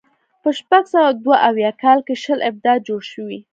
په شپږ سوه دوه اویا کال کې شل ابدات جوړ شوي.